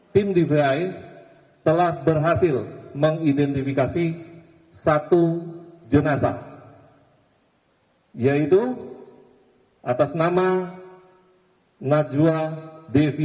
tim dvi telah berhasil mengidentifikasi satu jenazah yaitu atas nama najwa devi